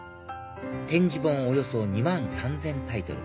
点字本およそ２万３０００タイトル